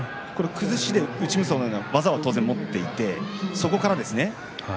崩しで、内無双のような技を持っていてそこからですね。